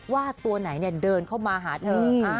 ว่าตัวไหนเดินเข้ามาหาเธอ